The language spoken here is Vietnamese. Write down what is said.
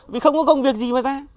vì không có công việc gì mà ra